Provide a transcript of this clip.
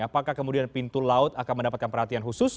apakah kemudian pintu laut akan mendapatkan perhatian khusus